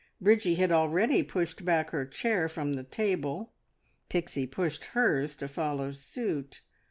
Bridgie had already pushed back her chair from the table; Pixie pushed hers to follow suit.